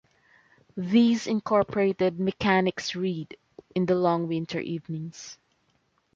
These incorporated mechanics read, in the long winter evenings.